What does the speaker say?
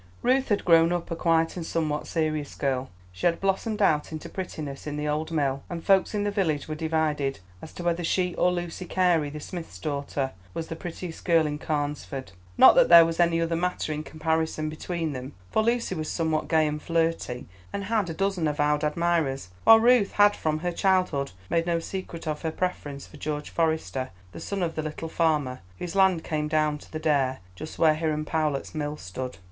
Ruth had grown up a quiet and somewhat serious girl; she had blossomed out into prettiness in the old mill, and folks in the village were divided as to whether she or Lucy Carey, the smith's daughter, was the prettiest girl in Carnesford. Not that there was any other matter in comparison between them, for Lucy was somewhat gay and flirty, and had a dozen avowed admirers; while Ruth had from her childhood made no secret of her preference for George Forester, the son of the little farmer whose land came down to the Dare just where Hiram Powlett's mill stood.